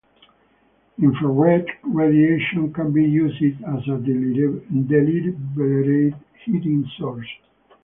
Infrared radiation can be used as a deliberate heating source.